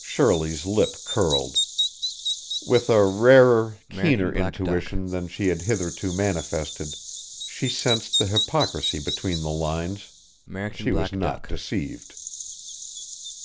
Shirley's lip curled. With a rarer, keener intuition than she had hitherto manifested, she sensed the hypocrisy between the lines; she was not deceived.